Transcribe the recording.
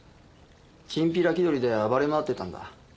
チンピラ気取りで暴れ回ってたんだ。